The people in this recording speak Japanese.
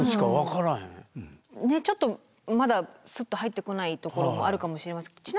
ねえちょっとまだスッと入ってこないところもあるかもしれません。